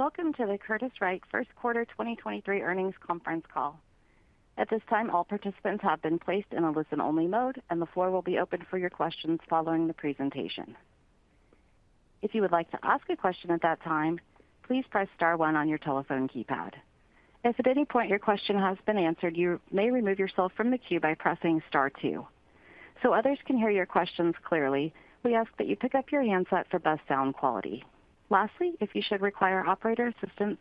Welcome to the Curtiss-Wright first quarter 2023 earnings conference call. At this time, all participants have been placed in a listen-only mode, and the floor will be open for your questions following the presentation. If you would like to ask a question at that time, please press star one on your telephone keypad. If at any point your question has been answered, you may remove yourself from the queue by pressing star two. Others can hear your questions clearly, we ask that you pick up your handset for best sound quality. Lastly, if you should require operator assistance,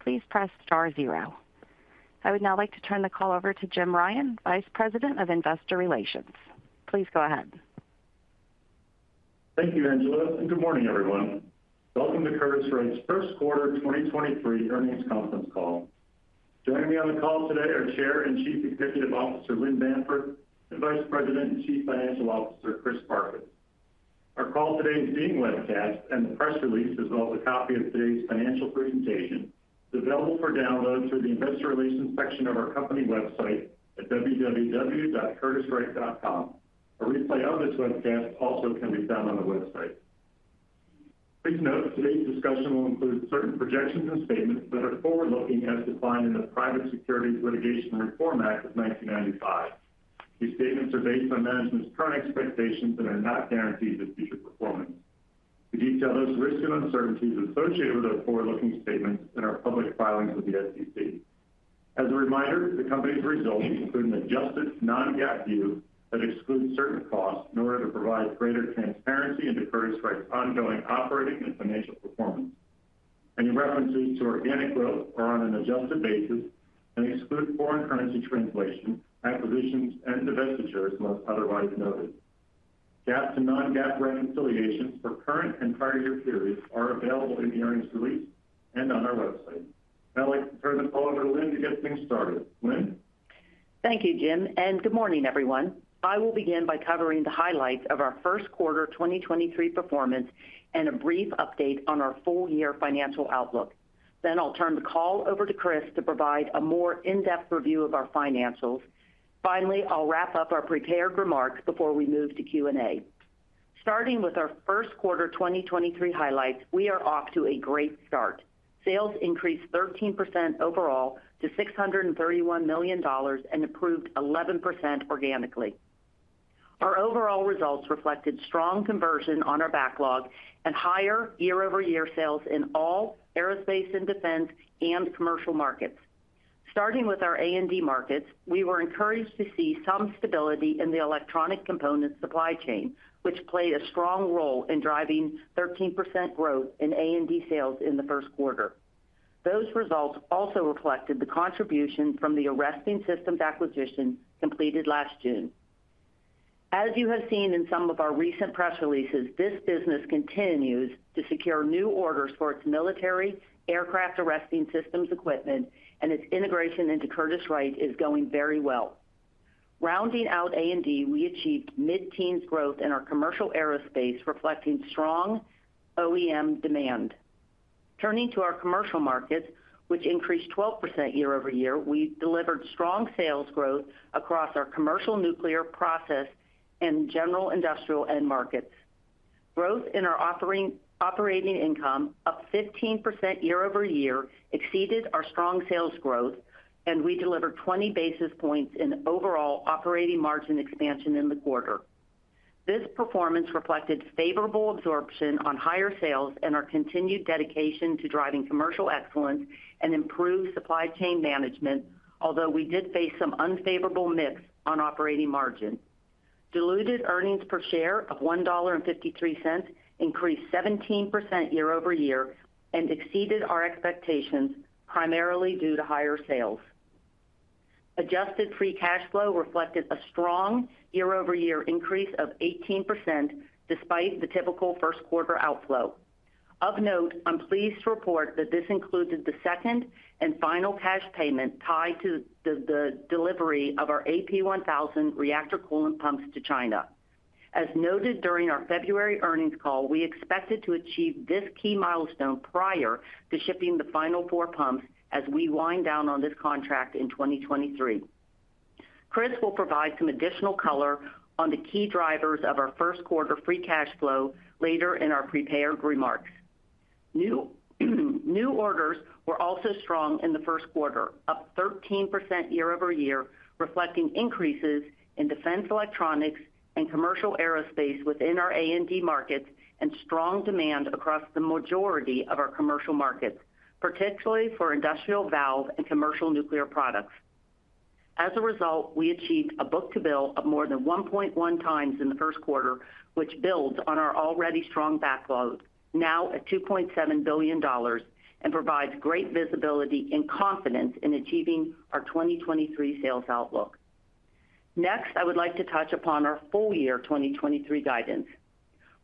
please press star zero. I would now like to turn the call over to Jim Ryan, Vice President of Investor Relations. Please go ahead. Thank you, Angela. Good morning, everyone. Welcome to Curtiss-Wright's first quarter 2023 earnings conference call. Joining me on the call today are Chair and Chief Executive Officer, Lynn Bamford, and Vice President and Chief Financial Officer, Chris Farkas. Our call today is being webcast. The press release, as well as a copy of today's financial presentation, is available for download through the investor relations section of our company website at www.curtisswright.com. A replay of this webcast also can be found on the website. Please note today's discussion will include certain projections and statements that are forward-looking, as defined in the Private Securities Litigation Reform Act of 1995. These statements are based on management's current expectations and are not guarantees of future performance. We detail those risks and uncertainties associated with those forward-looking statements in our public filings with the SEC. As a reminder, the company's results include an adjusted non-GAAP view that excludes certain costs in order to provide greater transparency into Curtiss-Wright's ongoing operating and financial performance. Any references to organic growth are on an adjusted basis and exclude foreign currency translation, acquisitions, and divestitures, unless otherwise noted. GAAP to non-GAAP reconciliations for current and prior year periods are available in the earnings release and on our website. I'd now like to turn the call over to Lynn to get things started. Lynn? Thank you, Jim. Good morning, everyone. I will begin by covering the highlights of our first quarter 2023 performance and a brief update on our full-year financial outlook. I'll turn the call over to Chris to provide a more in-depth review of our financials. Finally, I'll wrap up our prepared remarks before we move to Q&A. Starting with our first quarter 2023 highlights, we are off to a great start. Sales increased 13% overall to $631 million and improved 11% organically. Our overall results reflected strong conversion on our backlog and higher year-over-year sales in all aerospace and defense and commercial markets. Starting with our A&D markets, we were encouraged to see some stability in the electronic component supply chain, which played a strong role in driving 13% growth in A&D sales in the first quarter. Those results also reflected the contribution from the Arresting Systems acquisition completed last June. As you have seen in some of our recent press releases, this business continues to secure new orders for its military aircraft Arresting Systems equipment and its integration into Curtiss-Wright is going very well. Rounding out A&D, we achieved mid-teens growth in our commercial aerospace, reflecting strong OEM demand. Turning to our commercial markets, which increased 12% year-over-year, we delivered strong sales growth across our commercial nuclear process and general industrial end markets. Growth in our operating income, up 15% year-over-year, exceeded our strong sales growth, and we delivered 20 basis points in overall operating margin expansion in the quarter. This performance reflected favorable absorption on higher sales and our continued dedication to driving commercial excellence and improved supply chain management. Although we did face some unfavorable mix on operating margin. Diluted earnings per share of $1.53 increased 17% year-over-year and exceeded our expectations, primarily due to higher sales. Adjusted free cash flow reflected a strong year-over-year increase of 18% despite the typical first quarter outflow. Of note, I'm pleased to report that this included the second and final cash payment tied to the delivery of our AP1000 reactor coolant pumps to China. As noted during our February earnings call, we expected to achieve this key milestone prior to shipping the final four pumps as we wind down on this contract in 2023. Chris will provide some additional color on the key drivers of our first quarter free cash flow later in our prepared remarks. New orders were also strong in the first quarter, up 13% year-over-year, reflecting increases in defense electronics and commercial aerospace within our A&D markets and strong demand across the majority of our commercial markets, particularly for industrial valve and commercial nuclear products. As a result, we achieved a book to bill of more than 1.1 times in the first quarter, which builds on our already strong backlog, now at $2.7 billion, and provides great visibility and confidence in achieving our 2023 sales outlook. Next, I would like to touch upon our full-year 2023 guidance.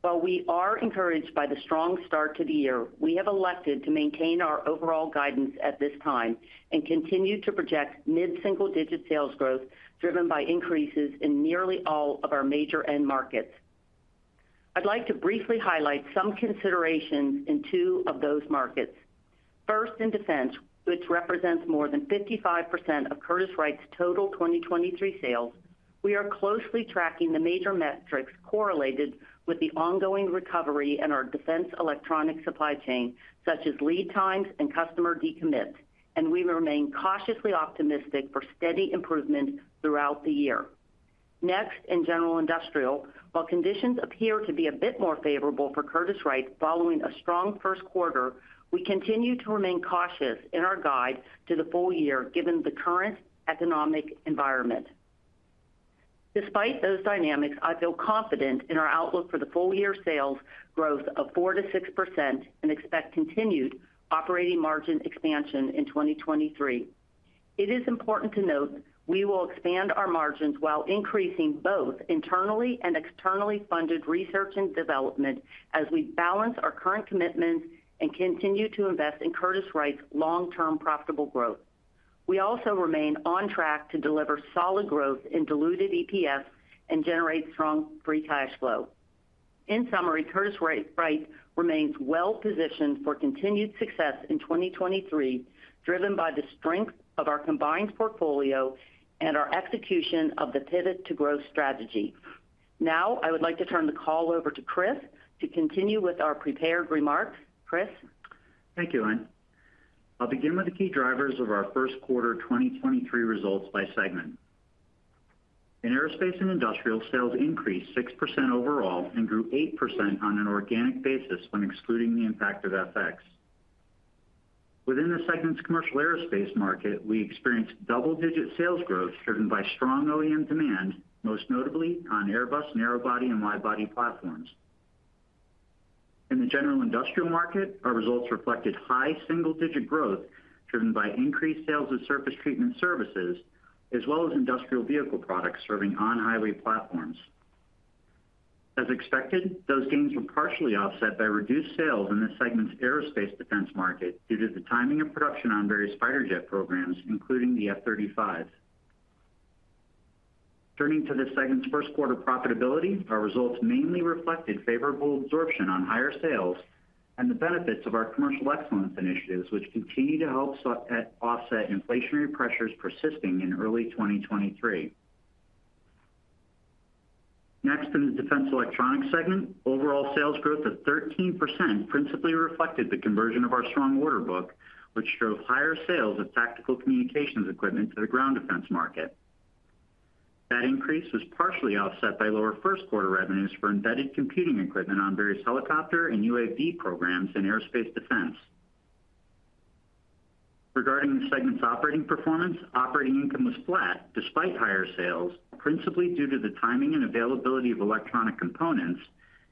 While we are encouraged by the strong start to the year, we have elected to maintain our overall guidance at this time and continue to project mid-single-digit sales growth driven by increases in nearly all of our major end markets. I'd like to briefly highlight some considerations in two of those markets. First, in defense, which represents more than 55% of Curtiss-Wright's total 2023 sales. We are closely tracking the major metrics correlated with the ongoing recovery in our defense electronic supply chain, such as lead times and customer decommits, we remain cautiously optimistic for steady improvement throughout the year. Next, in general industrial, while conditions appear to be a bit more favorable for Curtiss-Wright following a strong first quarter, we continue to remain cautious in our guide to the full year given the current economic environment. Despite those dynamics, I feel confident in our outlook for the full-year sales growth of 4%-6% and expect continued operating margin expansion in 2023. It is important to note we will expand our margins while increasing both internally and externally funded research and development as we balance our current commitments and continue to invest in Curtiss-Wright's long-term profitable growth. We also remain on track to deliver solid growth in diluted EPS and generate strong free cash flow. In summary, Curtiss-Wright remains well positioned for continued success in 2023, driven by the strength of our combined portfolio and our execution of the Pivot to Growth strategy. I would like to turn the call over to Chris to continue with our prepared remarks. Chris? Thank you, Lynn. I'll begin with the key drivers of our first quarter 2023 results by segment. In aerospace and industrial, sales increased 6% overall and grew 8% on an organic basis when excluding the impact of FX. Within the segment's commercial aerospace market, we experienced double-digit sales growth driven by strong OEM demand, most notably on Airbus narrow body and wide body platforms. In the general industrial market, our results reflected high single-digit growth driven by increased sales of surface treatment services, as well as industrial vehicle products serving on-highway platforms. As expected, those gains were partially offset by reduced sales in this segment's aerospace defense market due to the timing of production on various fighter jet programs, including the F-35. Turning to the segment's first quarter profitability, our results mainly reflected favorable absorption on higher sales and the benefits of our commercial excellence initiatives, which continue to help offset inflationary pressures persisting in early 2023. Next, in the defense electronics segment, overall sales growth of 13% principally reflected the conversion of our strong order book, which showed higher sales of tactical communications equipment to the ground defense market. That increase was partially offset by lower first quarter revenues for embedded computing equipment on various helicopter and UAV programs in aerospace defense. Regarding the segment's operating performance, operating income was flat despite higher sales, principally due to the timing and availability of electronic components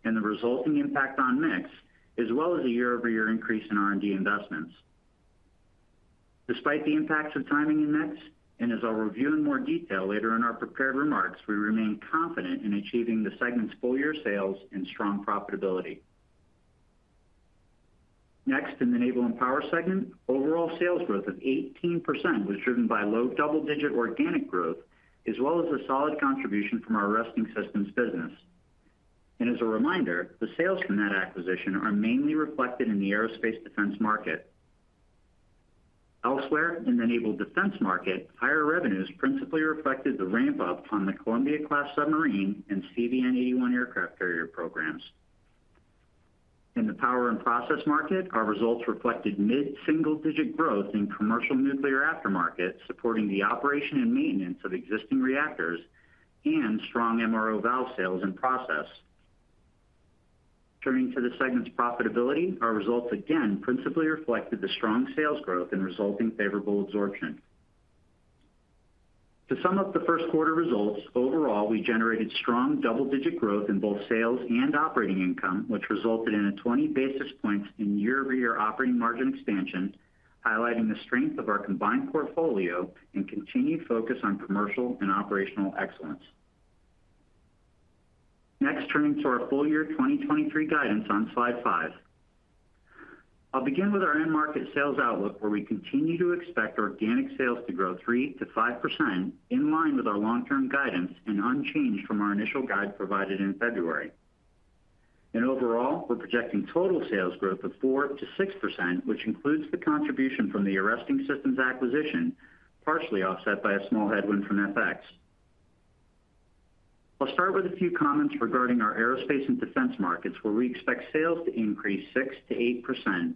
and the resulting impact on mix, as well as a year-over-year increase in R&D investments. Despite the impacts of timing and mix, and as I'll review in more detail later in our prepared remarks, we remain confident in achieving the segment's full-year sales and strong profitability. Next, in the naval and power segment, overall sales growth of 18% was driven by low double-digit organic growth, as well as a solid contribution from our Arresting Systems business. As a reminder, the sales from that acquisition are mainly reflected in the aerospace defense market. Elsewhere, in the naval defense market, higher revenues principally reflected the ramp-up on the Columbia-class submarine and CVN-81 aircraft carrier programs. In the power and process market, our results reflected mid-single-digit growth in commercial nuclear aftermarket, supporting the operation and maintenance of existing reactors and strong MRO valve sales in process. Turning to the segment's profitability, our results again principally reflected the strong sales growth and resulting favorable absorption. To sum up the first quarter results, overall, we generated strong double-digit growth in both sales and operating income, which resulted in a 20 basis points in year-over-year operating margin expansion, highlighting the strength of our combined portfolio and continued focus on commercial and operational excellence. Turning to our full year 2023 guidance on slide 5. I'll begin with our end market sales outlook, where we continue to expect organic sales to grow 3%-5% in line with our long-term guidance and unchanged from our initial guide provided in February. Overall, we're projecting total sales growth of 4%-6%, which includes the contribution from the Arresting Systems acquisition, partially offset by a small headwind from FX. I'll start with a few comments regarding our aerospace and defense markets, where we expect sales to increase 6%-8%.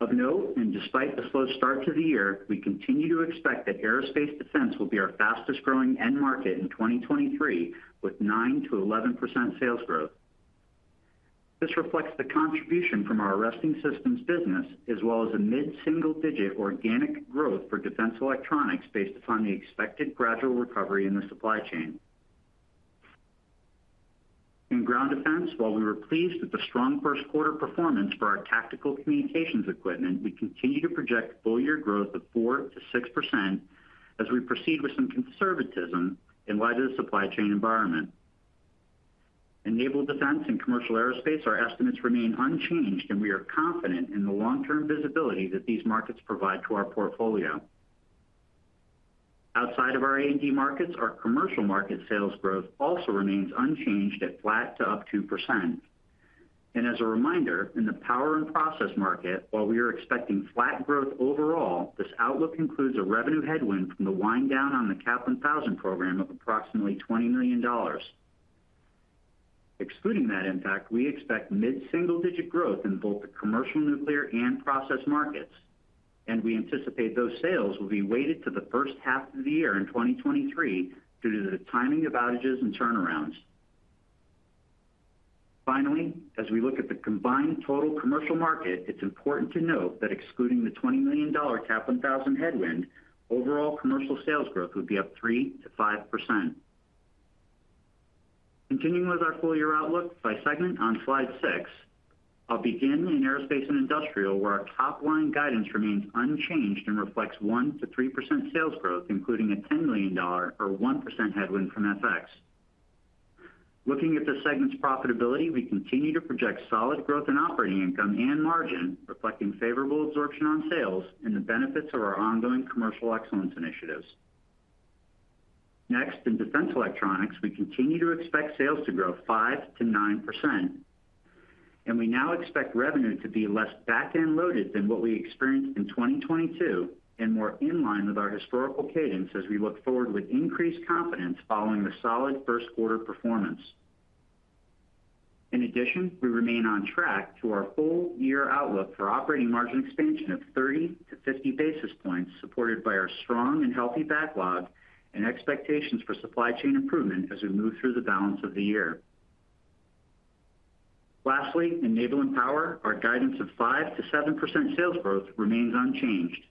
Of note, despite the slow start to the year, we continue to expect that aerospace defense will be our fastest growing end market in 2023, with 9%-11% sales growth. This reflects the contribution from our Arresting Systems business, as well as a mid-single-digit organic growth for defense electronics based upon the expected gradual recovery in the supply chain. In ground defense, while we were pleased with the strong first quarter performance for our tactical communications equipment, we continue to project full year growth of 4%-6% as we proceed with some conservatism in light of the supply chain environment. In naval defense and commercial aerospace, our estimates remain unchanged, and we are confident in the long-term visibility that these markets provide to our portfolio. Outside of our A&D markets, our commercial market sales growth also remains unchanged at flat to up 2%. As a reminder, in the power and process market, while we are expecting flat growth overall, this outlook includes a revenue headwind from the wind down on the AP1000 program of approximately $20 million. Excluding that impact, we expect mid-single-digit growth in both the commercial nuclear and process markets. We anticipate those sales will be weighted to the first half of the year in 2023 due to the timing of outages and turnarounds. Finally, as we look at the combined total commercial market, it's important to note that excluding the $20 million AP1000 headwind, overall commercial sales growth would be up 3%-5%. Continuing with our full-year outlook by segment on slide six, I'll begin in aerospace and industrial, where our top-line guidance remains unchanged and reflects 1%-3% sales growth, including a $10 million or 1% headwind from FX. Looking at the segment's profitability, we continue to project solid growth in operating income and margin, reflecting favorable absorption on sales and the benefits of our ongoing commercial excellence initiatives. In defense electronics, we continue to expect sales to grow 5%-9%, and we now expect revenue to be less back-end loaded than what we experienced in 2022 and more in line with our historical cadence as we look forward with increased confidence following the solid first quarter performance. We remain on track to our full-year outlook for operating margin expansion of 30 to 50 basis points, supported by our strong and healthy backlog and expectations for supply chain improvement as we move through the balance of the year. In naval and power, our guidance of 5% to 7% sales growth remains unchanged.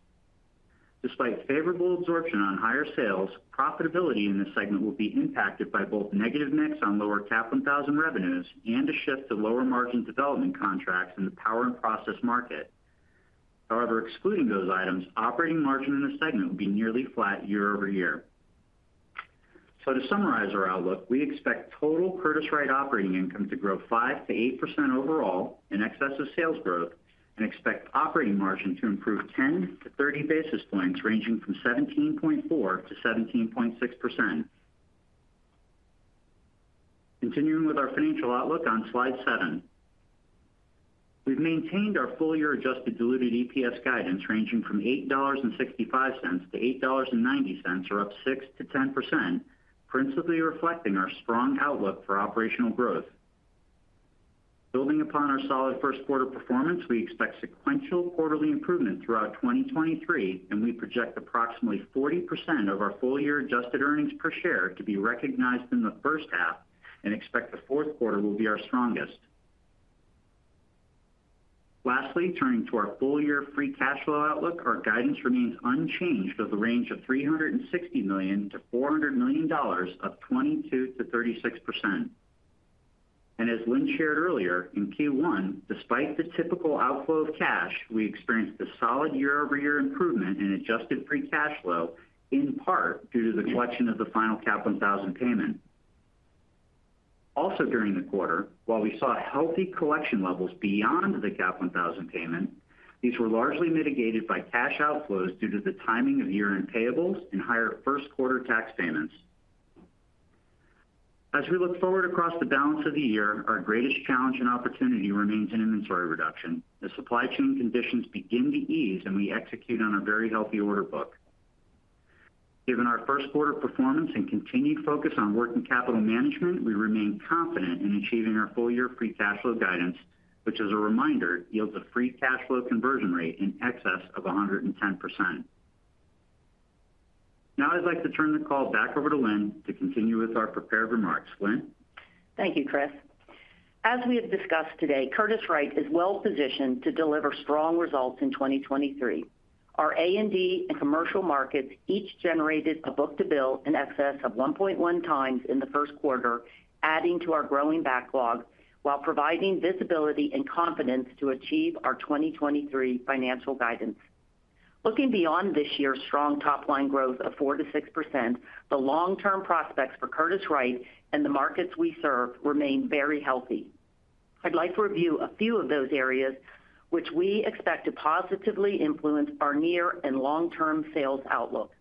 Despite favorable absorption on higher sales, profitability in this segment will be impacted by both negative mix on lower AP1000 revenues and a shift to lower-margin development contracts in the power and process market. However, excluding those items, operating margin in the segment will be nearly flat year-over-year. To summarize our outlook, we expect total Curtiss-Wright operating income to grow 5%-8% overall in excess of sales growth and expect operating margin to improve 10-30 basis points ranging from 17.4%-17.6%. Continuing with our financial outlook on slide 7. We've maintained our full-year adjusted diluted EPS guidance ranging from $8.65-$8.90, or up 6%-10%, principally reflecting our strong outlook for operational growth. Building upon our solid first quarter performance, we expect sequential quarterly improvement throughout 2023, and we project approximately 40% of our full-year adjusted earnings per share to be recognized in the first half and expect the fourth quarter will be our strongest. Lastly, turning to our full-year free cash flow outlook, our guidance remains unchanged with a range of $360 million-$400 million, up 22%-36%. As Lynn shared earlier, in Q1, despite the typical outflow of cash, we experienced a solid year-over-year improvement in adjusted free cash flow, in part due to the collection of the final AP1000 payment. Also during the quarter, while we saw healthy collection levels beyond the AP1000 payment, these were largely mitigated by cash outflows due to the timing of year-end payables and higher first quarter tax payments. As we look forward across the balance of the year, our greatest challenge and opportunity remains in inventory reduction as supply chain conditions begin to ease and we execute on our very healthy order book. Given our first quarter performance and continued focus on working capital management, we remain confident in achieving our full-year free cash flow guidance, which as a reminder, yields a free cash flow conversion rate in excess of 110%. I'd like to turn the call back over to Lynn to continue with our prepared remarks. Lynn? Thank you, Chris. As we have discussed today, Curtiss-Wright is well positioned to deliver strong results in 2023. Our A&D and commercial markets each generated a book to bill in excess of 1.1 times in the first quarter, adding to our growing backlog while providing visibility and confidence to achieve our 2023 financial guidance. Looking beyond this year's strong top-line growth of 4%-6%, the long-term prospects for Curtiss-Wright and the markets we serve remain very healthy. I'd like to review a few of those areas which we expect to positively influence our near and long-term sales outlook.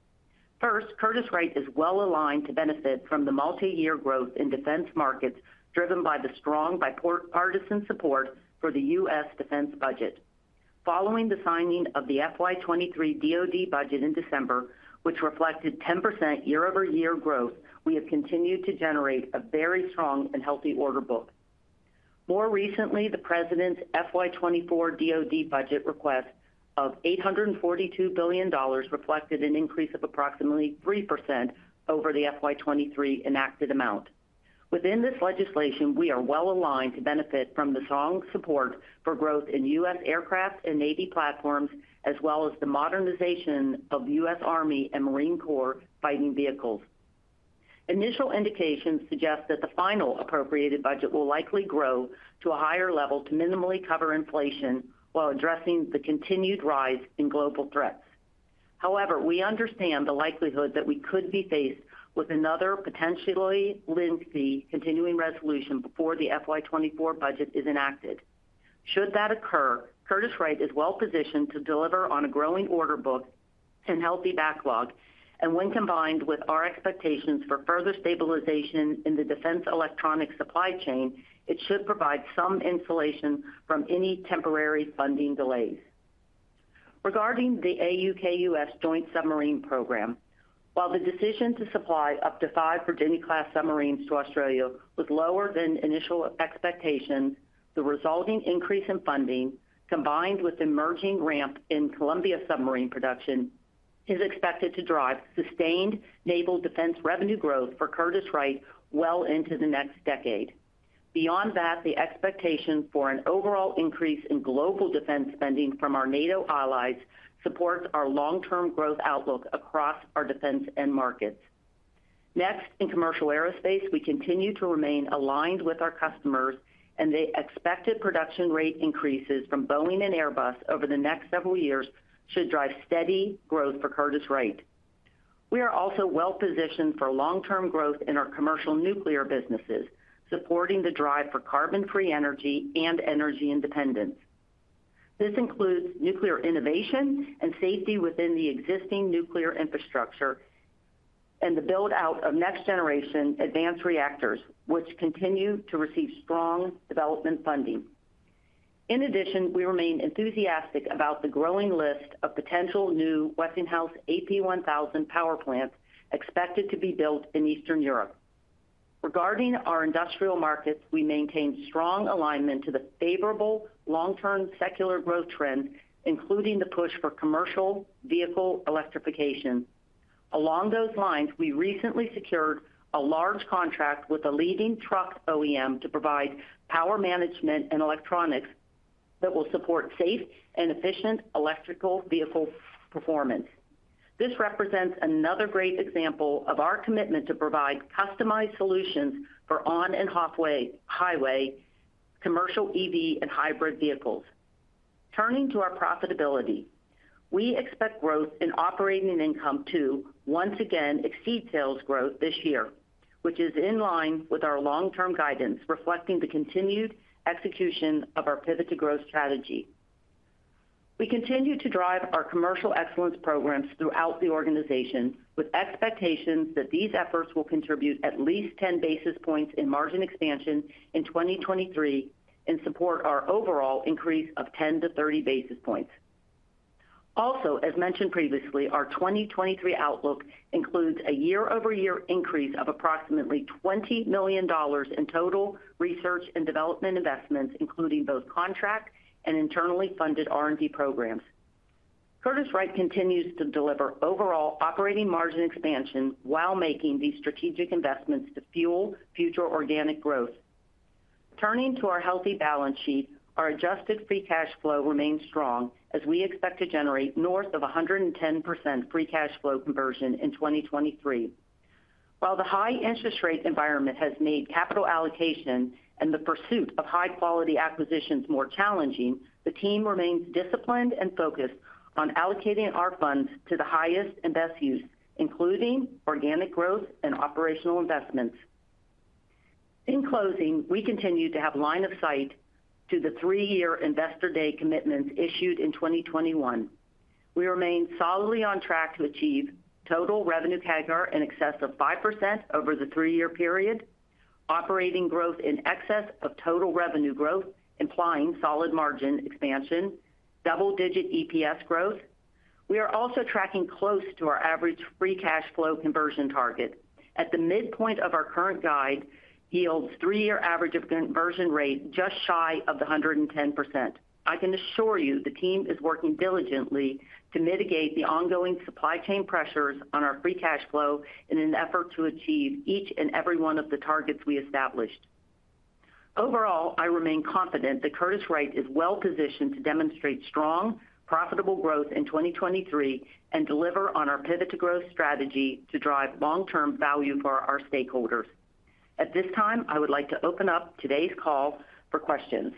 First, Curtiss-Wright is well aligned to benefit from the multi-year growth in defense markets driven by the strong bipartisan support for the U.S. defense budget. Following the signing of the FY23 DoD budget in December, which reflected 10% year-over-year growth, we have continued to generate a very strong and healthy order book. The President's FY24 DoD budget request of $842 billion reflected an increase of approximately 3% over the FY23 enacted amount. Within this legislation, we are well aligned to benefit from the strong support for growth in U.S. Aircraft and Navy platforms, as well as the modernization of U.S. Army and Marine Corps fighting vehicles. Initial indications suggest that the final appropriated budget will likely grow to a higher level to minimally cover inflation while addressing the continued rise in global threats. However, we understand the likelihood that we could be faced with another potentially lengthy continuing resolution before the FY24 budget is enacted. Should that occur, Curtiss-Wright is well positioned to deliver on a growing order book and healthy backlog. When combined with our expectations for further stabilization in the defense electronic supply chain, it should provide some insulation from any temporary funding delays. Regarding the AUKUS joint submarine program, while the decision to supply up to 5 Virginia-class submarines to Australia was lower than initial expectations, the resulting increase in funding, combined with emerging ramp in Columbia submarine production, is expected to drive sustained naval defense revenue growth for Curtiss-Wright well into the next decade. Beyond that, the expectation for an overall increase in global defense spending from our NATO allies supports our long-term growth outlook across our defense end markets. Next, in commercial aerospace, we continue to remain aligned with our customers, and the expected production rate increases from Boeing and Airbus over the next several years should drive steady growth for Curtiss-Wright. We are also well-positioned for long-term growth in our commercial nuclear businesses, supporting the drive for carbon-free energy and energy independence. This includes nuclear innovation and safety within the existing nuclear infrastructure and the build-out of next-generation advanced reactors, which continue to receive strong development funding. In addition, we remain enthusiastic about the growing list of potential new Westinghouse AP1000 power plants expected to be built in Eastern Europe. Regarding our industrial markets, we maintain strong alignment to the favorable long-term secular growth trends, including the push for commercial vehicle electrification. Along those lines, we recently secured a large contract with a leading truck OEM to provide power management and electronics that will support safe and efficient electrical vehicle performance. This represents another great example of our commitment to provide customized solutions for on and off highway commercial EV and hybrid vehicles. Turning to our profitability, we expect growth in operating income to once again exceed sales growth this year, which is in line with our long-term guidance reflecting the continued execution of our Pivot to Growth strategy. We continue to drive our commercial excellence programs throughout the organization with expectations that these efforts will contribute at least 10 basis points in margin expansion in 2023 and support our overall increase of 10 to 30 basis points. Also, as mentioned previously, our 2023 outlook includes a year-over-year increase of approximately $20 million in total research and development investments, including both contract and internally funded R&D programs. Curtiss-Wright continues to deliver overall operating margin expansion while making these strategic investments to fuel future organic growth. Turning to our healthy balance sheet, our adjusted free cash flow remains strong as we expect to generate north of 110% free cash flow conversion in 2023. While the high interest rate environment has made capital allocation and the pursuit of high-quality acquisitions more challenging, the team remains disciplined and focused on allocating our funds to the highest and best use, including organic growth and operational investments. In closing, we continue to have line of sight to the 3-year investor day commitments issued in 2021. We remain solidly on track to achieve total revenue CAGR in excess of 5% over the 3-year period, operating growth in excess of total revenue growth, implying solid margin expansion, double-digit EPS growth. We are also tracking close to our average free cash flow conversion target. At the midpoint of our current guide yields 3-year average of conversion rate just shy of the 110%. I can assure you the team is working diligently to mitigate the ongoing supply chain pressures on our free cash flow in an effort to achieve each and every one of the targets we established. Overall, I remain confident that Curtiss-Wright is well positioned to demonstrate strong, profitable growth in 2023 and deliver on our Pivot to Growth strategy to drive long-term value for our stakeholders. At this time, I would like to open up today's call for questions.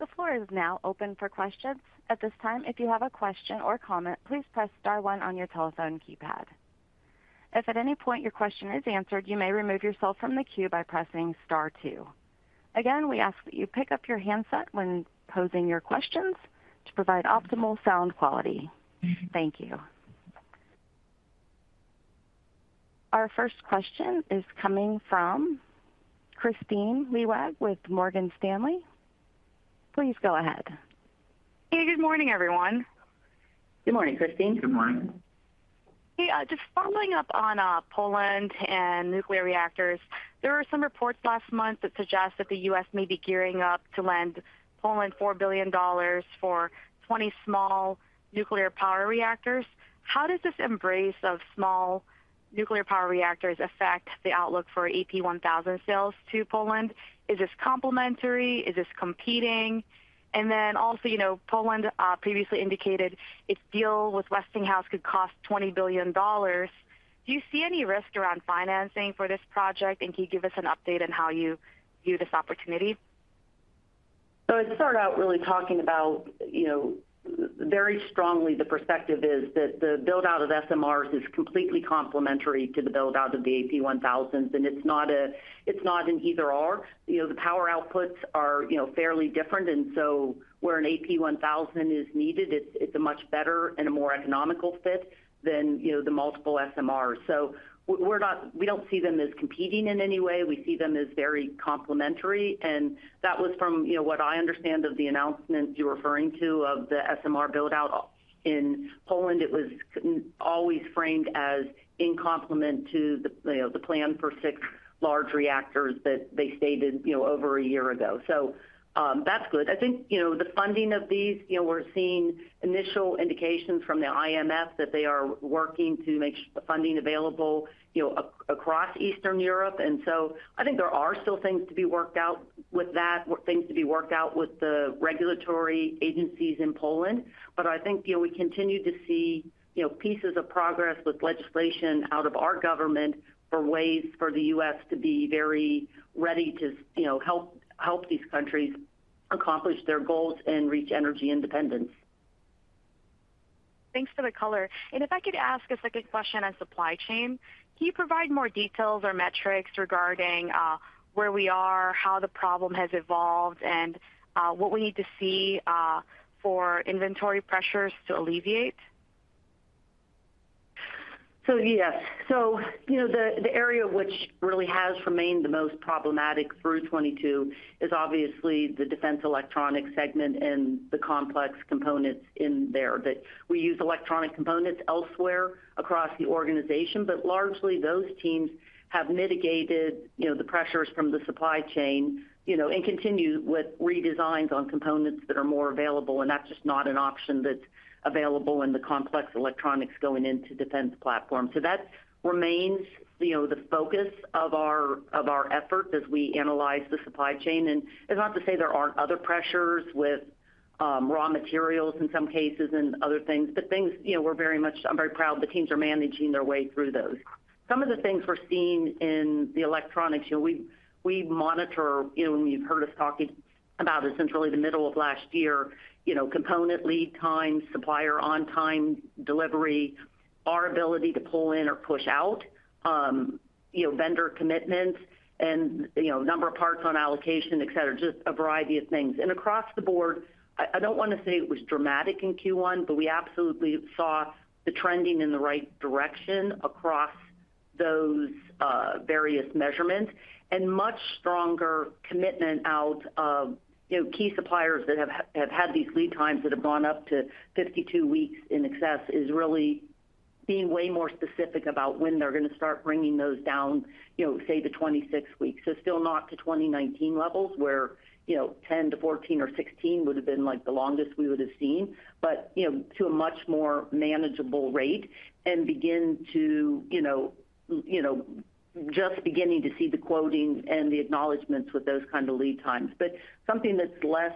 The floor is now open for questions. At this time, if you have a question or comment, please press star one on your telephone keypad. If at any point your question is answered, you may remove yourself from the queue by pressing star two. Again, we ask that you pick up your handset when posing your questions to provide optimal sound quality. Thank you. Our first question is coming from Kristine Liwag with Morgan Stanley. Please go ahead. Hey, good morning, everyone. Good morning, Kristine. Good morning. Hey, just following up on Poland and nuclear reactors, there were some reports last month that suggest that the US may be gearing up to lend Poland $4 billion for 20 small nuclear power reactors. How does this embrace of small nuclear power reactors affect the outlook for AP1000 sales to Poland? Is this complementary? Is this competing? Then also, you know, Poland previously indicated its deal with Westinghouse could cost $20 billion. Do you see any risk around financing for this project? Can you give us an update on how you view this opportunity? I started out really talking about, you know, very strongly the perspective is that the build-out of SMRs is completely complementary to the build-out of the AP1000s, and it's not a It's not an either/or. You know, the power outputs are, you know, fairly different. Where an AP1000 is needed, it's a much better and a more economical fit than, you know, the multiple SMRs. We don't see them as competing in any way. We see them as very complementary. That was from, you know, what I understand of the announcement you're referring to of the SMR build-out. In Poland, it was always framed as in complement to the, you know, the plan for 6 large reactors that they stated, you know, over a year ago. That's good. I think, you know, the funding of these, you know, we're seeing initial indications from the IMF that they are working to make funding available, you know, across Eastern Europe. I think there are still things to be worked out with that, things to be worked out with the regulatory agencies in Poland. I think, you know, we continue to see, you know, pieces of progress with legislation out of our government for ways for the U.S. to be very ready to you know, help these countries accomplish their goals and reach energy independence. Thanks for the color. If I could ask a second question on supply chain. Can you provide more details or metrics regarding, where we are, how the problem has evolved, and, what we need to see, for inventory pressures to alleviate? Yes. You know, the area which really has remained the most problematic through 2022 is obviously the defense electronics segment and the complex components in there, that we use electronic components elsewhere across the organization, but largely those teams have mitigated, you know, the pressures from the supply chain, you know, and continue with redesigns on components that are more available, and that's just not an option that's available in the complex electronics going into defense platform. That remains, you know, the focus of our efforts as we analyze the supply chain. It's not to say there aren't other pressures with raw materials in some cases and other things, but things, you know, I'm very proud the teams are managing their way through those. Some of the things we're seeing in the electronics, you know, we monitor, you know, when you've heard us talking about essentially the middle of last year, you know, component lead times, supplier on time delivery, our ability to pull in or push out, you know, vendor commitments and, you know, number of parts on allocation, et cetera, just a variety of things. Across the board, I don't wanna say it was dramatic in Q1, but we absolutely saw the trending in the right direction across those various measurements. Much stronger commitment out of, you know, key suppliers that have had these lead times that have gone up to 52 weeks in excess is really being way more specific about when they're gonna start bringing those down, you know, say to 26 weeks. Still not to 2019 levels where, you know, 10 to 14 or 16 would have been, like, the longest we would have seen, but, you know, to a much more manageable rate and begin to, you know, just beginning to see the quoting and the acknowledgments with those kind of lead times. Something that's less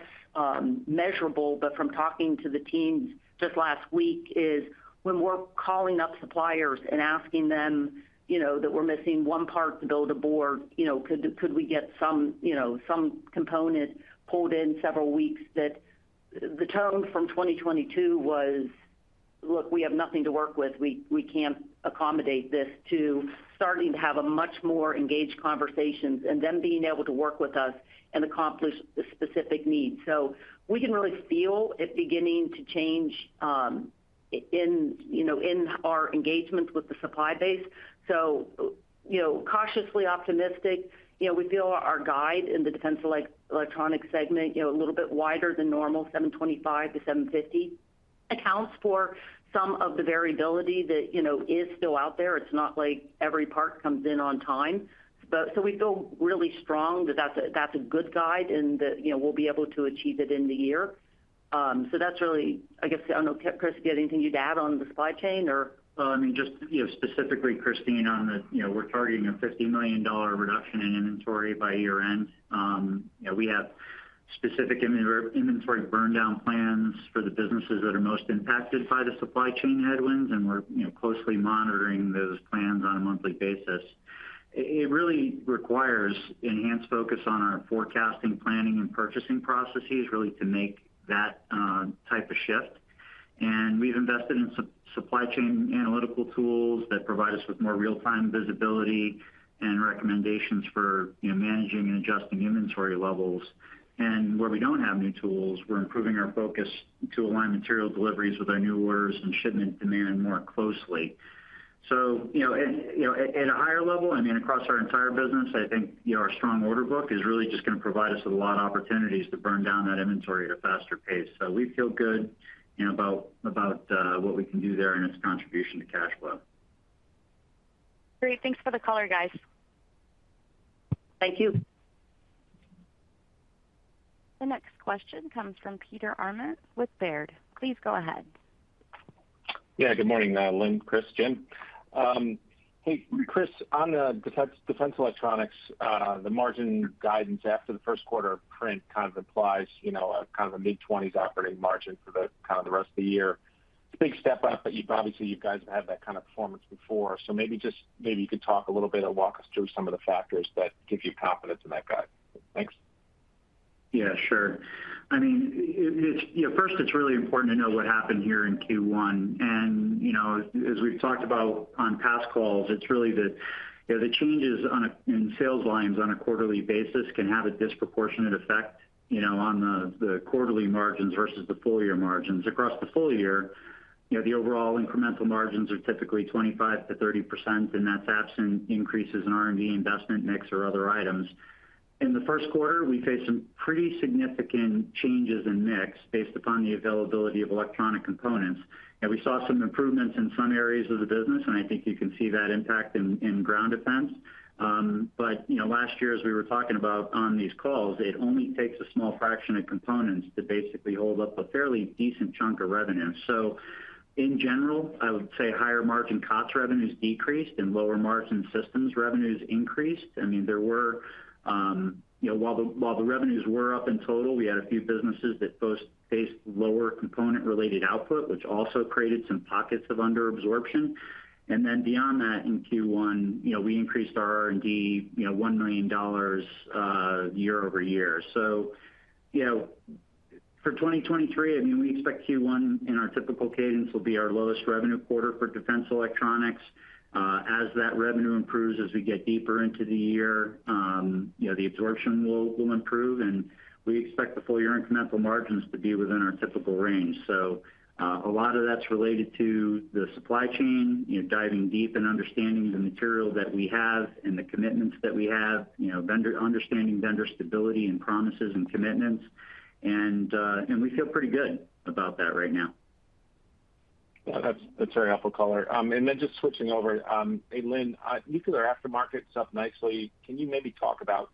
measurable, but from talking to the teams just last week is when we're calling up suppliers and asking them, you know, that we're missing 1 part to build a board, you know, could we get some, you know, some component pulled in several weeks? The tone from 2022 was, "Look, we have nothing to work with. We can't accommodate this," to starting to have a much more engaged conversations and them being able to work with us and accomplish the specific needs. We can really feel it beginning to change, you know, in our engagements with the supply base. You know, cautiously optimistic. You know, we feel our guide in the defense electronic segment, you know, a little bit wider than normal, $725 million-$750 million, accounts for some of the variability that, you know, is still out there. It's not like every part comes in on time. We feel really strong that that's a good guide and that, you know, we'll be able to achieve it in the year. That's really, I guess, I don't know, Chris, you got anything you'd add on the supply chain or? Well, I mean, just, you know, specifically Kristine on the, you know, we're targeting a $50 million reduction in inventory by year-end. You know, we have specific inventory burn down plans for the businesses that are most impacted by the supply chain headwinds, we're, you know, closely monitoring those plans on a monthly basis. It really requires enhanced focus on our forecasting, planning, and purchasing processes, really, to make that type of shift. We've invested in supply chain analytical tools that provide us with more real-time visibility and recommendations for, you know, managing and adjusting inventory levels. Where we don't have new tools, we're improving our focus to align material deliveries with our new orders and shipment demand more closely. You know, at, you know, at a higher level, I mean, across our entire business, I think, you know, our strong order book is really just gonna provide us with a lot of opportunities to burn down that inventory at a faster pace. We feel good, you know, about what we can do there and its contribution to cash flow. Great. Thanks for the color, guys. Thank you. The next question comes from Peter Arment with Baird. Please go ahead. Good morning, Lynn, Chris, Jim. Hey, Chris, on the defense electronics, the margin guidance after the first quarter print kind of implies, you know, a kind of a mid-twenties operating margin for the kind of the rest of the year. Big step up, but obviously, you guys have had that kind of performance before. Maybe you could talk a little bit or walk us through some of the factors that give you confidence in that guide. Thanks. Yeah, sure. I mean, you know, first, it's really important to know what happened here in Q1. You know, as we've talked about on past calls, it's really the, you know, the changes in sales lines on a quarterly basis can have a disproportionate effect, you know, on the quarterly margins versus the full year margins. Across the full year, you know, the overall incremental margins are typically 25%-30%, and that's absent increases in R&D investment mix or other items. In the first quarter, we faced some pretty significant changes in mix based upon the availability of electronic components. We saw some improvements in some areas of the business, and I think you can see that impact in ground defense. You know, last year, as we were talking about on these calls, it only takes a small fraction of components to basically hold up a fairly decent chunk of revenue. In general, I would say higher margin COTS revenues decreased and lower margin systems revenues increased. I mean, there were, you know, while the revenues were up in total, we had a few businesses that both faced lower component-related output, which also created some pockets of underabsorption. Beyond that, in Q1, you know, we increased our R&D, you know, $1 million year-over-year. You know, for 2023, I mean, we expect Q1 in our typical cadence will be our lowest revenue quarter for defense electronics. As that revenue improves as we get deeper into the year, you know, the absorption will improve, and we expect the full year incremental margins to be within our typical range. A lot of that's related to the supply chain, you know, diving deep and understanding the material that we have and the commitments that we have, you know, understanding vendor stability and promises and commitments. We feel pretty good about that right now. Yeah, that's very helpful color. Just switching over, hey, Lynn, Nuclear Aftermarket's up nicely. Can you maybe talk about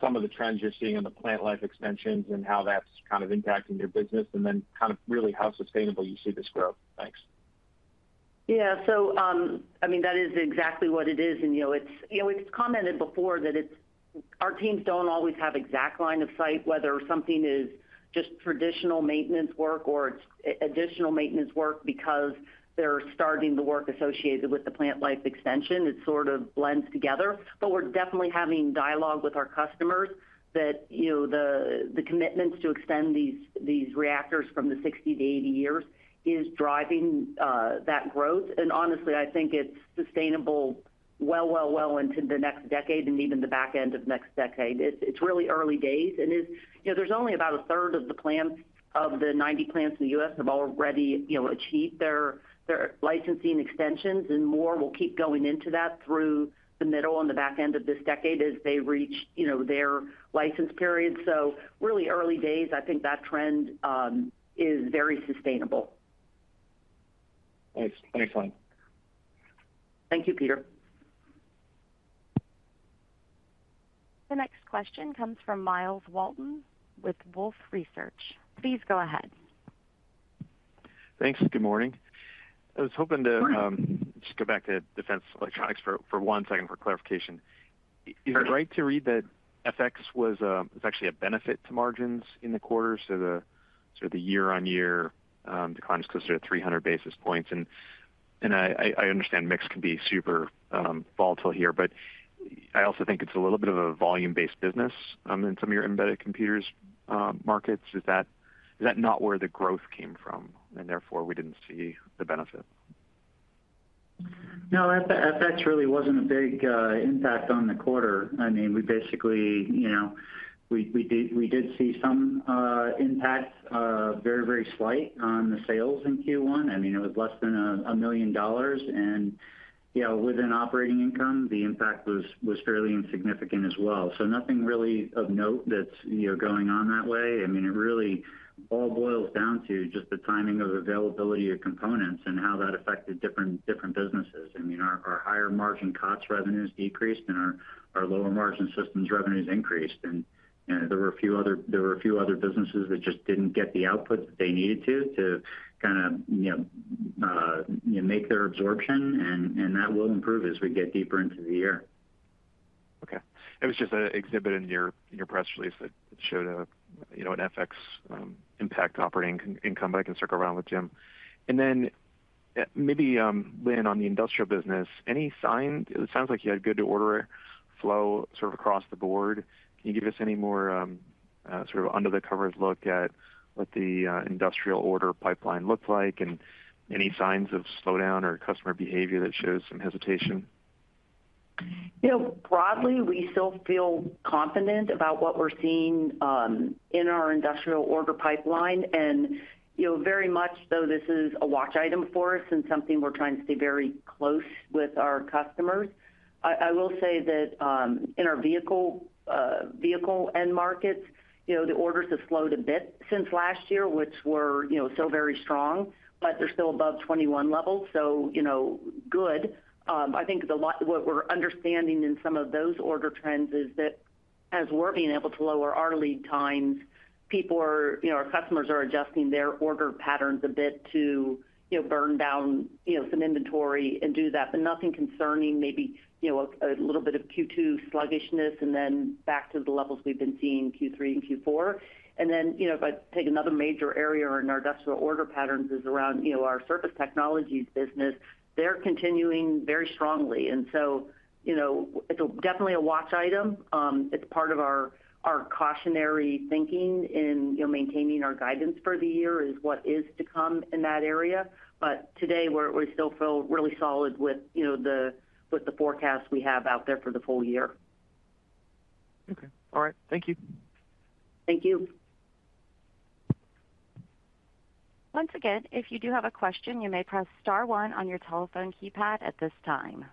some of the trends you're seeing in the plant life extensions and how that's kind of impacting your business, and then kind of really how sustainable you see this growth? Thanks. I mean, that is exactly what it is. You know, it's, you know, it's commented before that our teams don't always have exact line of sight whether something is just traditional maintenance work or it's additional maintenance work because they're starting the work associated with the plant life extension. It sort of blends together. We're definitely having dialogue with our customers that, you know, the commitments to extend these reactors from the 60 to 80 years is driving that growth. Honestly, I think it's sustainable well into the next decade and even the back end of next decade. It's really early days. You know, there's only about a third of the 90 plants in the U.S. have already, you know, achieved their licensing extensions, and more will keep going into that through the middle and the back end of this decade as they reach, you know, their license periods. Really early days. I think that trend is very sustainable. Thanks. Thanks, Lynn. Thank you, Peter. The next question comes from Myles Walton with Wolfe Research. Please go ahead. Thanks. Good morning. I was hoping. Good morning.... just go back to defense electronics for one second for clarification. Sure. Is it right to read that FX was actually a benefit to margins in the quarter, so the year-over-year decline is closer to 300 basis points? I understand mix can be super volatile here, but I also think it's a little bit of a volume-based business in some of your embedded computers markets. Is that not where the growth came from and therefore we didn't see the benefit? No, FX really wasn't a big impact on the quarter. I mean, we basically, you know, we did see some impact very slight on the sales in Q1. I mean, it was less than a $1 million. You know, within operating income, the impact was fairly insignificant as well. Nothing really of note that's, you know, going on that way. I mean, it really all boils down to just the timing of availability of components and how that affected different businesses. I mean, our higher margin COTS revenues decreased and our lower margin systems revenues increased. You know, there were a few other businesses that just didn't get the output that they needed to kind of, you know, you know, make their absorption and that will improve as we get deeper into the year. Okay. It was just an exhibit in your press release that showed a, you know, an FX impact to operating income, but I can circle around with Jim. Then, Lynn, on the industrial business, any signs? It sounds like you had good order flow sort of across the board. Can you give us any more sort of under the covers look at what the industrial order pipeline looked like and any signs of slowdown or customer behavior that shows some hesitation? You know, broadly, we still feel confident about what we're seeing in our industrial order pipeline. You know, very much so this is a watch item for us and something we're trying to stay very close with our customers. I will say that in our vehicle end markets, you know, the orders have slowed a bit since last year, which were, you know, still very strong, but they're still above 2021 levels, so, you know, good. I think what we're understanding in some of those order trends is that as we're being able to lower our lead times, people are, you know, our customers are adjusting their order patterns a bit to, you know, burn down, you know, some inventory and do that. Nothing concerning, maybe, you know, a little bit of Q2 sluggishness and then back to the levels we've been seeing in Q3 and Q4. You know, if I take another major area in our decimal order patterns is around, you know, our surface technologies business. They're continuing very strongly. You know, it's definitely a watch item. It's part of our cautionary thinking in, you know, maintaining our guidance for the year is what is to come in that area. Today, we still feel really solid with, you know, with the forecast we have out there for the full year. Okay. All right. Thank you. Thank you. Once again, if you do have a question, you may press star one on your telephone keypad at this time.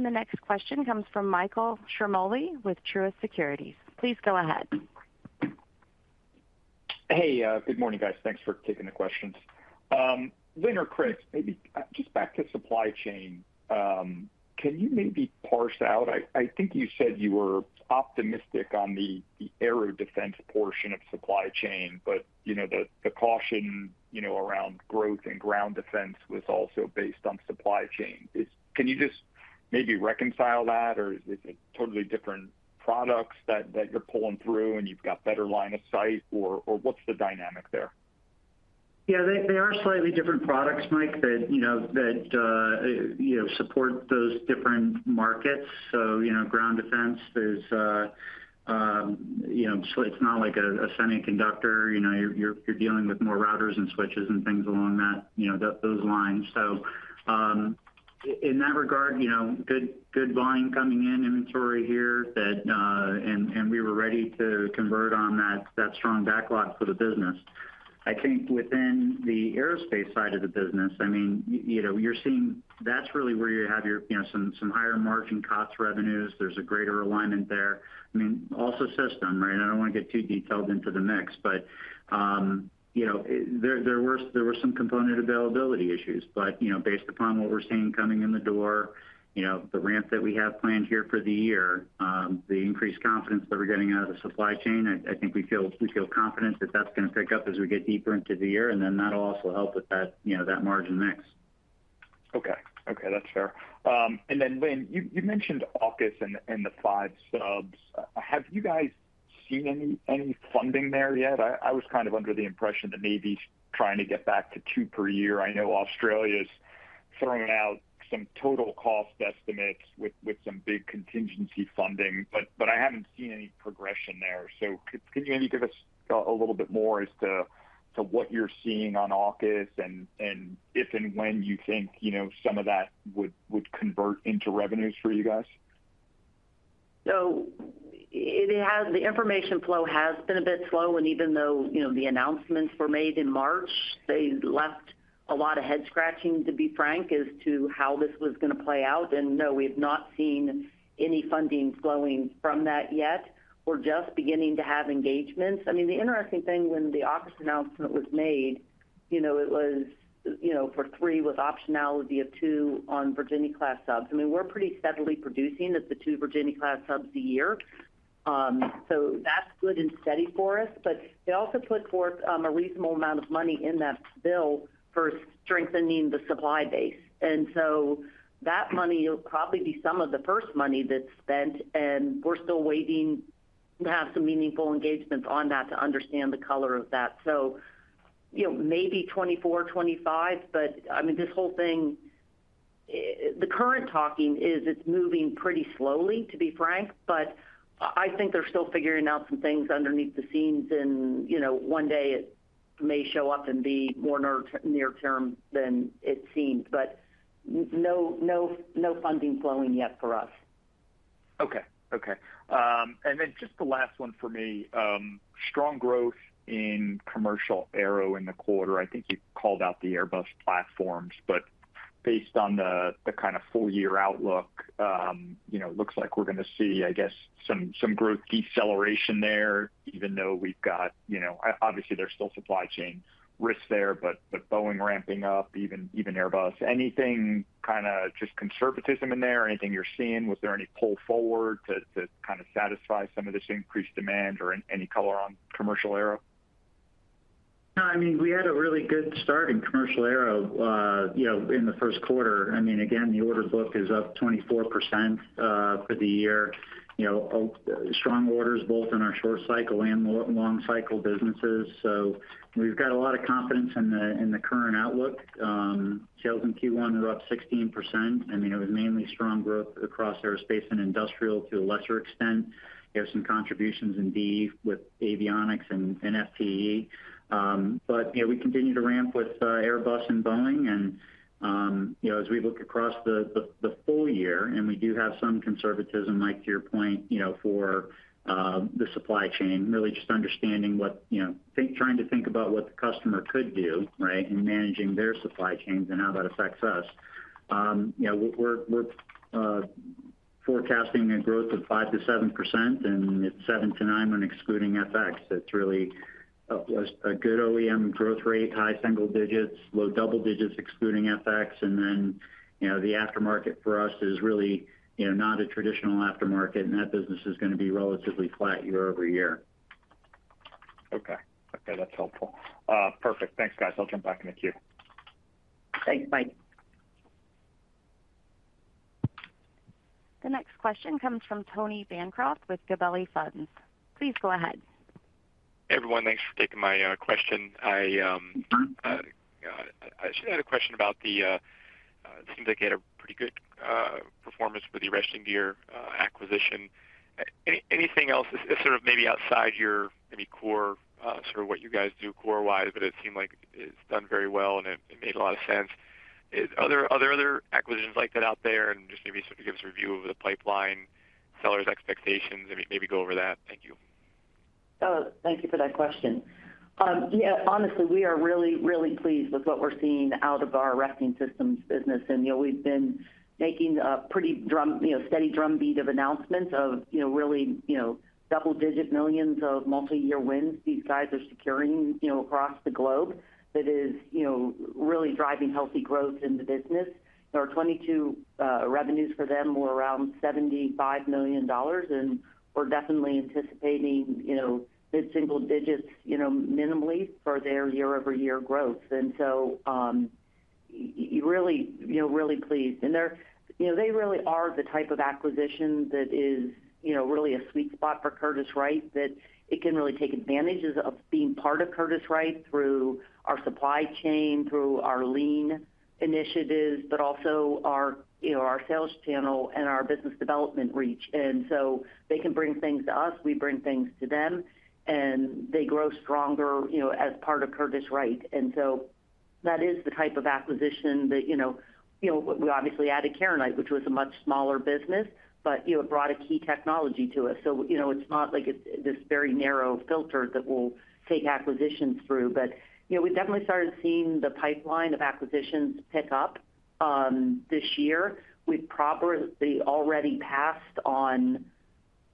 The next question comes from Michael Ciarmoli with Truist Securities. Please go ahead. Hey, good morning, guys. Thanks for taking the questions. Lynn or Chris, maybe, just back to supply chain, can you maybe parse out? I think you said you were optimistic on the Aero defense portion of supply chain, but, you know, the caution, you know, around growth and ground defense was also based on supply chain. Can you just maybe reconcile that, or is it totally different products that you're pulling through and you've got better line of sight? What's the dynamic there? Yeah, they are slightly different products, Mike, that, you know, that, you know, support those different markets. You know, ground defense, there's, you know, it's not like a semiconductor. You know, you're dealing with more routers and switches and things along those lines. In that regard, you know, good volume coming in, inventory here that, and we were ready to convert on that strong backlog for the business. I think within the aerospace side of the business, I mean, you know, you're seeing that's really where you have your, you know, some higher margin cost revenues. There's a greater alignment there. I mean, also system, right? I don't want to get too detailed into the mix, you know, there were some component availability issues. You know, based upon what we're seeing coming in the door, you know, the ramp that we have planned here for the year, the increased confidence that we're getting out of the supply chain, I think we feel confident that that's gonna pick up as we get deeper into the year, and then that'll also help with that, you know, that margin mix. Okay. That's fair. Lynn, you mentioned AUKUS and the five subs. Have you guys seen any funding there yet? I was kind of under the impression the Navy's trying to get back to two per year. I know Australia's throwing out some total cost estimates with some big contingency funding, but I haven't seen any progression there. Can you maybe give us a little bit more as to what you're seeing on AUKUS and if and when you think, you know, some of that would convert into revenues for you guys? The information flow has been a bit slow, and even though, you know, the announcements were made in March, they left a lot of head scratching, to be frank, as to how this was gonna play out. No, we've not seen any funding flowing from that yet. We're just beginning to have engagements. I mean, the interesting thing when the AUKUS announcement was made, you know, it was, you know, for 3 with optionality of 2 on Virginia-class subs. I mean, we're pretty steadily producing at the 2 Virginia-class subs a year. So that's good and steady for us. They also put forth a reasonable amount of money in that bill for strengthening the supply base. That money will probably be some of the first money that's spent, and we're still waiting to have some meaningful engagements on that to understand the color of that. You know, maybe 2024, 2025, but, I mean, this whole thing, the current talking is it's moving pretty slowly, to be frank. I think they're still figuring out some things underneath the scenes and, you know, one day it may show up and be more near term than it seems, but no funding flowing yet for us. Okay, okay. Just the last one for me. Strong growth in commercial aero in the quarter. I think you called out the Airbus platforms. Based on the kind of full year outlook, you know, looks like we're gonna see, I guess, some growth deceleration there, even though we've got, you know, obviously, there's still supply chain risk there, but Boeing ramping up, even Airbus. Anything kind of just conservatism in there? Anything you're seeing? Was there any pull forward to kind of satisfy some of this increased demand or any color on commercial aero? No, I mean, we had a really good start in commercial aero, you know, in the first quarter. I mean, again, the order book is up 24%, for the year. You know, strong orders both in our short cycle and long cycle businesses. We've got a lot of confidence in the, in the current outlook. Sales in Q1 were up 16%. I mean, it was mainly strong growth across aerospace and industrial to a lesser extent. We have some contributions in D with avionics and FTE. You know, we continue to ramp with Airbus and Boeing. you know, as we look across the, the full year, we do have some conservatism, Mike, to your point, you know, for the supply chain, really just understanding what, you know, trying to think about what the customer could do, right, in managing their supply chains and how that affects us. you know, we're forecasting a growth of 5%-7%, and it's 7%-9% when excluding FX. It's really a good OEM growth rate, high single digits, low double digits excluding FX. you know, the aftermarket for us is really, you know, not a traditional aftermarket, and that business is gonna be relatively flat year-over-year. Okay. Okay, that's helpful. Perfect. Thanks, guys. I'll jump back in the queue. Thanks. Bye. The next question comes from Tony Bancroft with Gabelli Funds. Please go ahead. Everyone, thanks for taking my question. I just had a question about the it seems like you had a pretty good performance with the Arresting Gear acquisition. Anything else is sort of maybe outside your maybe core sort of what you guys do core-wise, but it seemed like it's done very well and it made a lot of sense. Are there other acquisitions like that out there? Just maybe sort of give us a review of the pipeline, sellers expectations. I mean, maybe go over that. Thank you. Thank you for that question. Yeah, honestly, we are really pleased with what we're seeing out of our Arresting Systems business. You know, we've been making a pretty steady drumbeat of announcements of, you know, really, you know, double-digit millions of multi-year wins these guys are securing, you know, across the globe that is, you know, really driving healthy growth in the business. Their 2022 revenues for them were around $75 million, and we're definitely anticipating, you know, mid-single digits, you know, minimally for their year-over-year growth. You really, you know, pleased. They're, you know, they really are the type of acquisition that is, you know, really a sweet spot for Curtiss-Wright, that it can really take advantages of being part of Curtiss-Wright through our supply chain, through our lean initiatives, but also our, you know, our sales channel and our business development reach. They can bring things to us, we bring things to them, and they grow stronger, you know, as part of Curtiss-Wright. That is the type of acquisition that, you know, you know, we obviously added Keronite, which was a much smaller business, but, you know, it brought a key technology to us. You know, it's not like it's this very narrow filter that we'll take acquisitions through. You know, we definitely started seeing the pipeline of acquisitions pick up this year. We've probably already passed on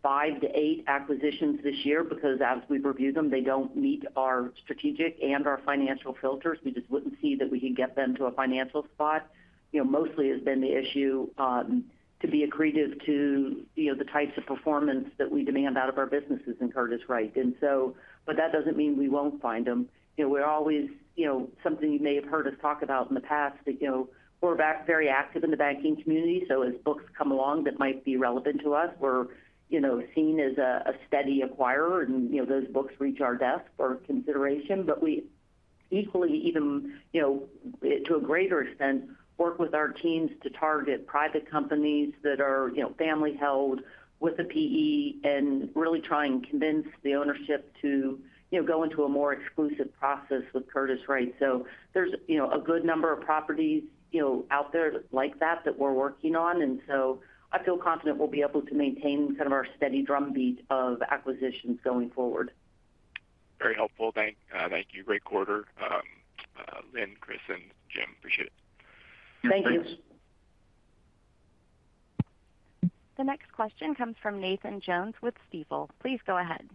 five to eight acquisitions this year because as we've reviewed them, they don't meet our strategic and our financial filters. We just wouldn't see that we could get them to a financial spot. You know, mostly has been the issue, to be accretive to, you know, the types of performance that we demand out of our businesses in Curtiss-Wright. That doesn't mean we won't find them. You know, we're always, you know, something you may have heard us talk about in the past that, you know, we're back very active in the banking community. As books come along that might be relevant to us, we're, you know, seen as a steady acquirer and, you know, those books reach our desk for consideration. We equally even, you know, to a greater extent, work with our teams to target private companies that are, you know, family held with a PE and really try and convince the ownership to, you know, go into a more exclusive process with Curtiss-Wright. There's, you know, a good number of properties, you know, out there like that that we're working on. I feel confident we'll be able to maintain kind of our steady drumbeat of acquisitions going forward. Very helpful. Thank you. Great quarter. Lynn, Chris, and Jim, appreciate it. Thank you. The next question comes from Nathan Jones with Stifel. Please go ahead.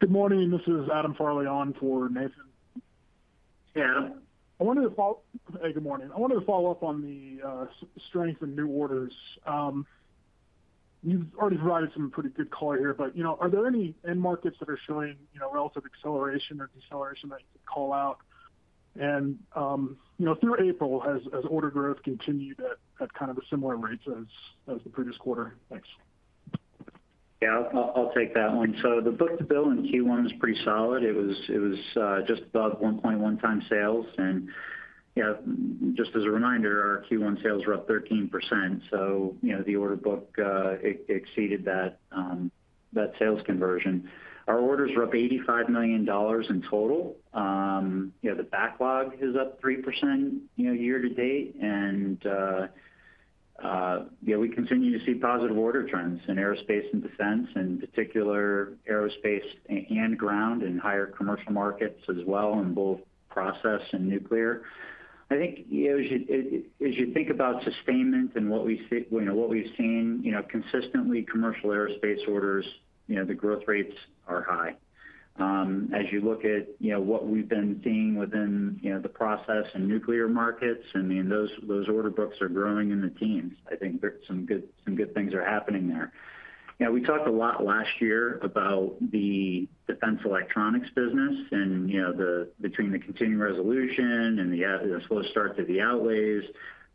Good morning. This is Adam Farley on for Nathan. Yeah. Hey, good morning. I wanted to follow up on the strength in new orders. You've already provided some pretty good color here, you know, are there any end markets that are showing, you know, relative acceleration or deceleration that you could call out? You know, through April, has order growth continued at kind of a similar rate as the previous quarter? Thanks. Yeah, I'll take that one. The book to bill in Q1 was pretty solid. It was just above 1.1 times sales. You know, just as a reminder, our Q1 sales were up 13%, so you know, the order book it exceeded that sales conversion. Our orders were up $85 million in total. You know, the backlog is up 3%, you know, year to date. You know, we continue to see positive order trends in aerospace and defense, in particular aerospace and ground and higher commercial markets as well in both process and nuclear. I think, you know, as you think about sustainment and what we've seen, you know, consistently commercial aerospace orders, you know, the growth rates are high. As you look at, you know, what we've been seeing within, you know, the process in nuclear markets, I mean, those order books are growing in the teens. I think there are some good things are happening there. You know, we talked a lot last year about the defense electronics business and, you know, between the continuing resolution and the slow start to the outlays.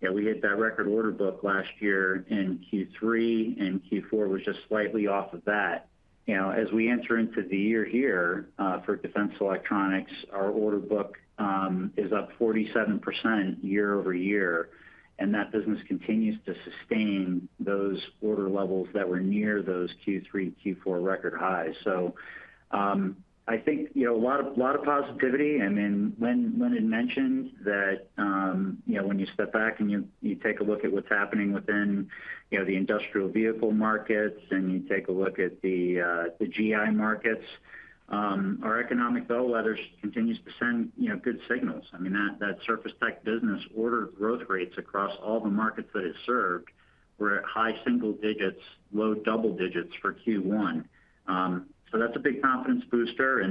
You know, we hit that record order book last year in Q3, and Q4 was just slightly off of that. You know, as we enter into the year here, for defense electronics, our order book is up 47% year-over-year, and that business continues to sustain those order levels that were near those Q3, Q4 record highs. I think, you know, a lot of positivity. I mean, when it mentioned that, you know, when you step back and you take a look at what's happening within, you know, the industrial vehicle markets and you take a look at the GI markets, our economic bill, whether it continues to send, you know, good signals. I mean, that surface tech business order growth rates across all the markets that it served were at high single digits, low double digits for Q1. That's a big confidence booster.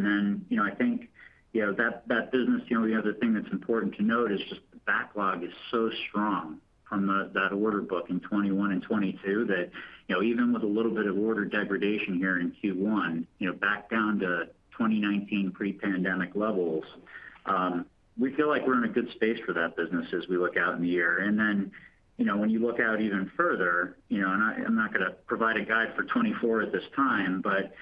you know, I think, you know, that business, you know, the other thing that's important to note is just the backlog is so strong from that order book in 2021 and 2022 that, you know, even with a little bit of order degradation here in Q1, you know, back down to 2019 pre-pandemic levels, we feel like we're in a good space for that business as we look out in the year. you know, when you look out even further, you know, and I'm not gonna provide a guide for 2024 at this time, but, you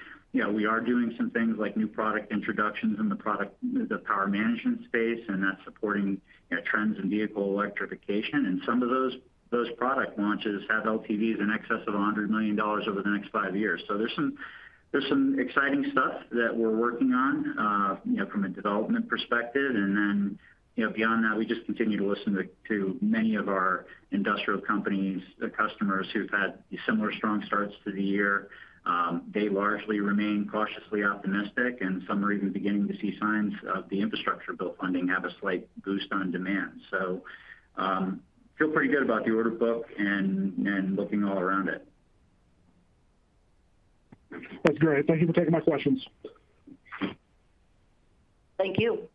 know, we are doing some things like new product introductions in the product, the power management space, and that's supporting, you know, trends in vehicle electrification. Some of those product launches have LTVs in excess of $100 million over the next five years. There's some exciting stuff that we're working on, you know, from a development perspective. Then, you know, beyond that, we just continue to listen to many of our industrial companies, the customers who've had similar strong starts to the year. They largely remain cautiously optimistic, and some are even beginning to see signs of the Infrastructure Bill funding have a slight boost on demand. Feel pretty good about the order book and looking all around it. That's great. Thank you for taking my questions. Thank you.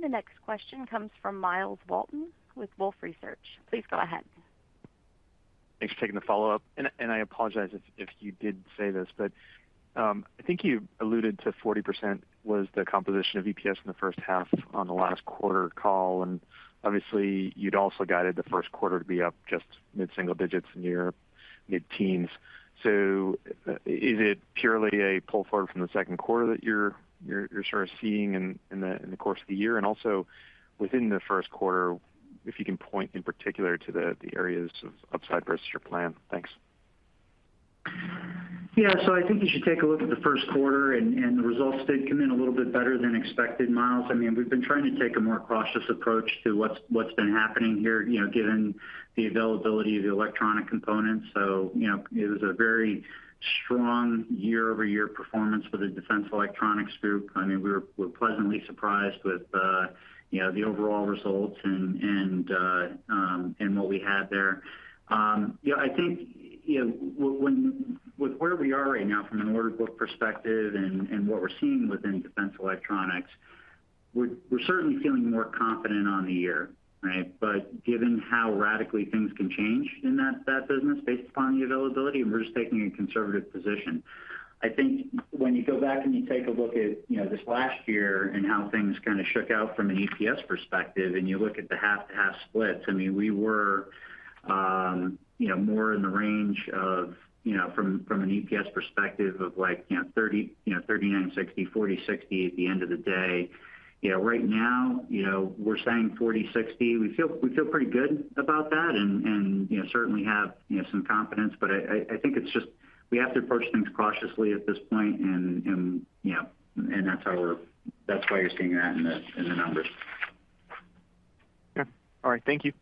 The next question comes from Myles Walton with Wolfe Research. Please go ahead. Thanks for taking the follow-up. I apologize if you did say this, but I think you alluded to 40% was the composition of EPS in the first half on the last quarter call. Obviously, you'd also guided the first quarter to be up just mid-single digits in your mid-teens. Is it purely a pull forward from the second quarter that you're sort of seeing in the course of the year? Also within the first quarter, if you can point in particular to the areas of upside versus your plan. Thanks. I think you should take a look at the first quarter and the results did come in a little bit better than expected, Myles Walton. I mean, we've been trying to take a more cautious approach to what's been happening here, you know, given the availability of the electronic components. You know, it was a very strong year-over-year performance for the defense electronics group.I mean, we're pleasantly surprised with, you know, the overall results and what we had there. I think, you know, with where we are right now from an order book perspective and what we're seeing within defense electronics, we're certainly feeling more confident on the year, right? Given how radically things can change in that business based upon the availability, we're just taking a conservative position. I think when you go back and you take a look at, you know, this last year and how things kind of shook out from an EPS perspective, and you look at the half to half splits, I mean, we were, you know, more in the range of, you know, from an EPS perspective of like, you know, 30%, you know, 39%, 60%, 40%, 60% at the end of the day. You know, right now, you know, we're saying 40%, 60%. We feel pretty good about that and, you know, certainly have, you know, some confidence. I think it's just we have to approach things cautiously at this point. You know, that's why you're seeing that in the, in the numbers. Yeah. All right. Thank you.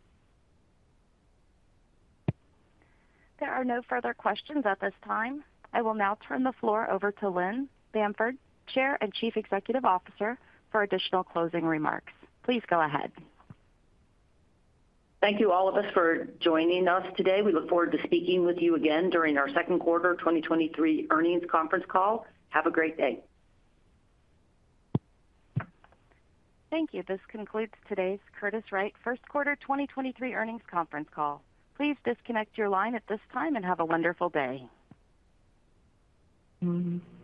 There are no further questions at this time. I will now turn the floor over to Lynn Bamford, Chair and Chief Executive Officer for additional closing remarks. Please go ahead. Thank you, all of us, for joining us today. We look forward to speaking with you again during our second quarter 2023 earnings conference call. Have a great day. Thank you. This concludes today's Curtiss-Wright first quarter 2023 earnings conference call. Please disconnect your line at this time and have a wonderful day.